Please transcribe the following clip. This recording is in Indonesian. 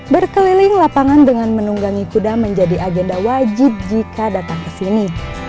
berkeliling lapangan dengan menunggangi kuda menjadi agenda wajib jika datang ke sini